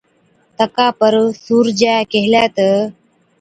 تڪا پر سُورجَي ڪيهلَي تہ،